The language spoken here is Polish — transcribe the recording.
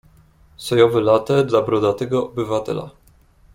Sojowe late dla brodatego obywatela.